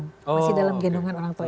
masih dalam gendongan orang tua